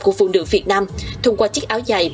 của phụ nữ việt nam thông qua chiếc áo dài